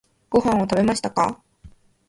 ご飯を食べましたか？